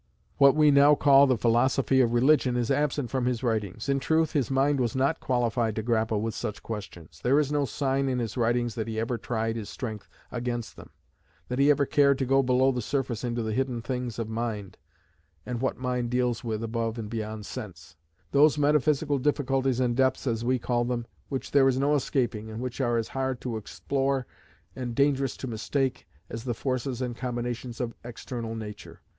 What we now call the philosophy of religion is absent from his writings. In truth, his mind was not qualified to grapple with such questions. There is no sign in his writings that he ever tried his strength against them; that he ever cared to go below the surface into the hidden things of mind, and what mind deals with above and beyond sense those metaphysical difficulties and depths, as we call them, which there is no escaping, and which are as hard to explore and as dangerous to mistake as the forces and combinations of external nature.